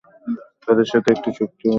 তাদের সাথে একটি চুক্তি হয়েছে।